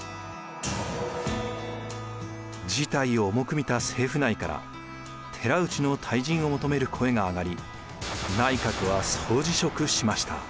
事態を重く見た政府内から寺内の退陣を求める声が上がり内閣は総辞職しました。